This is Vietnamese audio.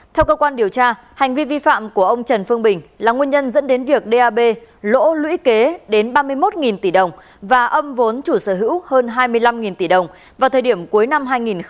theo cơ quan điều tra hành vi vi phạm của ông trần phương bình là nguyên nhân dẫn đến việc dap lỗ lũy kế đến ba mươi một tỷ đồng và âm vốn chủ sở hữu hơn hai mươi năm tỷ đồng vào thời điểm cuối năm hai nghìn một mươi bảy